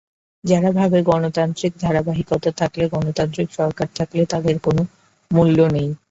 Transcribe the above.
যারা ভাবে, গণতান্ত্রিক ধারাবাহিকতা থাকলে, গণতান্ত্রিক সরকার থাকলে তাদের কোন মূল্য নাই।